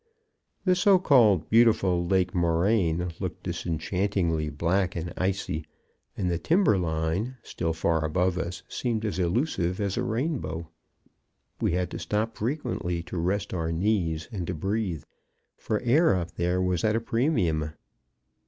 The so called beautiful Lake Moraine looked disenchantingly black and icy, and the timber line, still far above us, seemed as elusive as a rainbow. We had to stop frequently to rest our knees and to breathe, for air up there was at a premium.